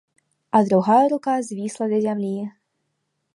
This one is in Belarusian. А другая рука звісла да зямлі.